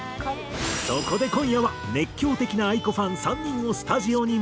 そこで今夜は熱狂的なａｉｋｏファン３人をスタジオに迎え。